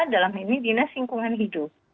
dalam hal ini dinas singkungan hidup